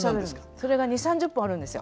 それが２０３０分あるんですよ。